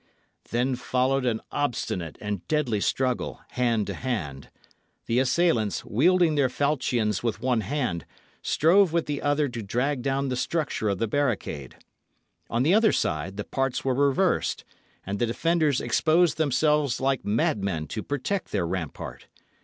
Then followed an obstinate and deadly struggle, hand to hand. The assailants, wielding their falchions with one hand, strove with the other to drag down the structure of the barricade. On the other side, the parts were reversed; and the defenders exposed themselves like madmen to protect their rampart.